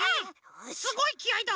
すごいきあいだ。